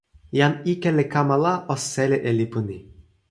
jan ike li kama la o seli e lipu ni.